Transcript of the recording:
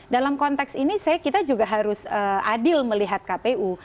dalam konteks ini kita juga harus adil melihat kpu